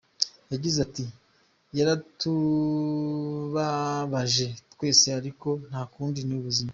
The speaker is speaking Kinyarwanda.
Yagize ati “Yaratubabaje twese ariko ntakundi ni ubuzima.